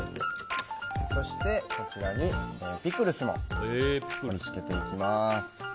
そして、こちらにピクルスも添えていきます。